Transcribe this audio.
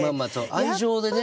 愛情でね。